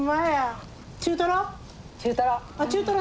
中トロ？